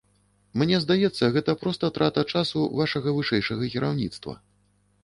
Мне здаецца, гэта проста трата часу вашага вышэйшага кіраўніцтва.